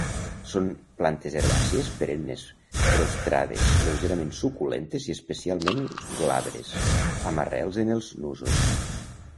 Són plantes herbàcies perennes, prostrades, lleugerament suculentes i essencialment glabres, amb arrels en els nusos.